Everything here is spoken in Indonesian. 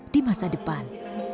di masa depan